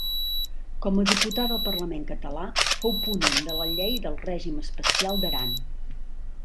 Com a diputada al Parlament català fou ponent de la llei del règim especial d'Aran.